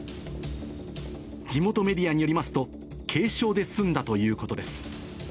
地元メディアによりますと、軽傷で済んだということです。